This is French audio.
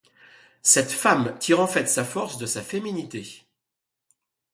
Cette femme tire en fait sa force de sa féminité.